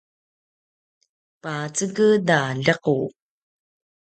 paceged a ljequ